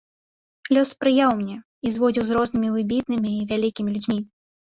Лёс спрыяў мне і зводзіў з рознымі выбітнымі і вялікімі людзьмі.